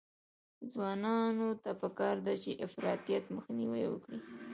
ځوانانو ته پکار ده چې، افراطیت مخنیوی وکړي.